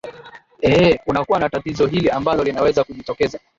ee unakuwa na tatizo hili ambalo linaweza kujitokeza